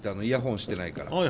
イヤホンしてないから。